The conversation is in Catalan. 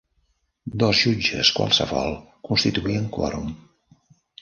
Dos jutges qualsevol constituïen quòrum.